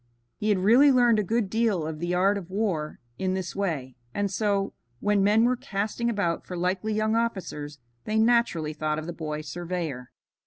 He had really learned a good deal of the art of war in this way, and so when men were casting about for likely young officers they naturally thought of the boy surveyor.